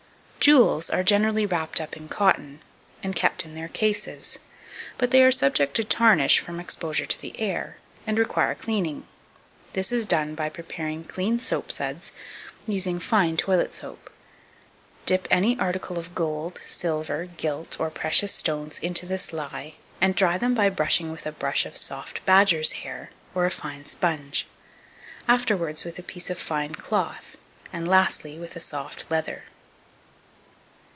2286. Jewels are generally wrapped up in cotton, and kept in their cases; but they are subject to tarnish from exposure to the air, and require cleaning. This is done by preparing clean soap suds, using fine toilet soap. Dip any article of gold, silver, gilt, or precious stones into this lye, and dry them by brushing with a brush of soft badgers' hair, or a fine sponge; afterwards with a piece of fine cloth, and, lastly, with a soft leather.